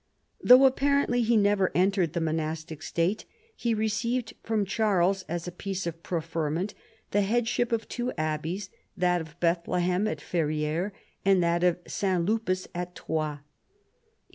Though apparently he never entered the monastic state, he received from Charles, as a piece of preferment, the headship of two abbeys, that of Bethlehem at Ferrieres and that of St. Lupus at Troyes.